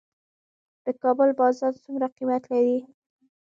د کابل بازان څومره قیمت لري؟